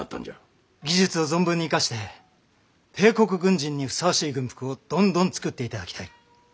技術を存分に生かして帝国軍人にふさわしい軍服をどんどん作っていただきたい。